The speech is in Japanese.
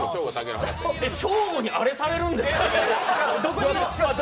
ショーゴにあれされるんですか？